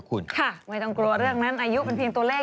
คุณค่ะไม่ต้องกลัวเรื่องนั้นอายุเป็นเพียงตัวเลข